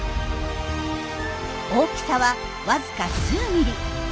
大きさはわずか数ミリ。